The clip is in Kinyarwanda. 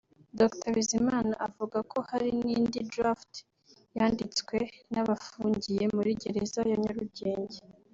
Dr Bizimana avuga ko hari n’indi ‘draft’ yanditswe n’abafungiye muri gereza ya Nyarugenge